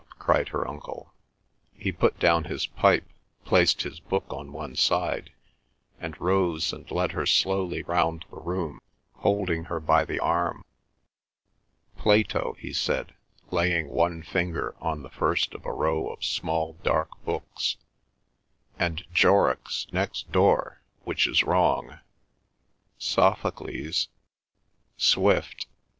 cried her uncle. He put down his pipe, placed his book on one side, and rose and led her slowly round the room, holding her by the arm. "Plato," he said, laying one finger on the first of a row of small dark books, "and Jorrocks next door, which is wrong. Sophocles, Swift.